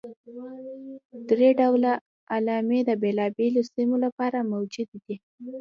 درې ډوله علامې د بېلابېلو سیمو لپاره موجودې دي.